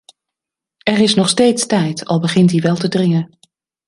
Er is nog steeds tijd, al begint die wel te dringen.